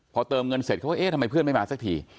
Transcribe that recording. พอเติมเงินเสร็จเขาก็เอ๊ะทำไมเพื่อนไม่มาสักที